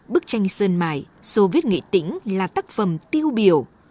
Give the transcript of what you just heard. bức tranh sơn mài soviet nghĩa tính là tác phẩm tiêu biểu